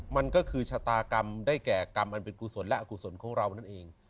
มันก็คือชะตากรรมได้แก่กรรมอันเป็นกุศลและอกุศลของเรานั่นเอง